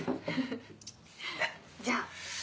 じゃあ。